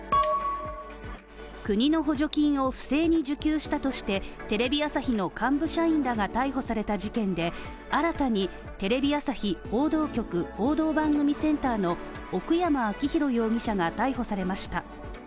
国の補助金を不正に受給したとしてテレビ朝日の幹部社員らが逮捕された事件で新たにテレビ朝日報道局報道番組センターの奥山明宏容疑者が逮捕されました。